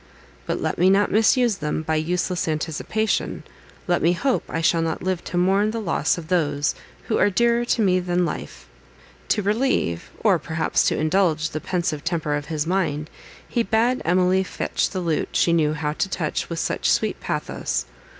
But let me not misuse them by useless anticipation; let me hope I shall not live to mourn the loss of those who are dearer to me than life." To relieve, or perhaps to indulge, the pensive temper of his mind, he bade Emily fetch the lute she knew how to touch with such sweet pathos.